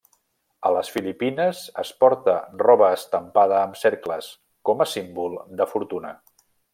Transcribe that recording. A les Filipines es porta roba estampada amb cercles, com a símbol de fortuna.